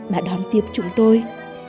bà đón tiếp chúng tôi